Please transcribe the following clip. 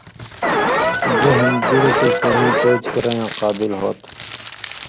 ذہِن بلکل صحیح سُوچ کرَین٘یاں قابل ہوتُھو۔